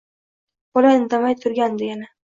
Bola indamay turgandi yana.